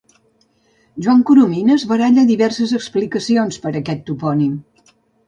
Joan Coromines baralla diverses explicacions, per a aquest topònim.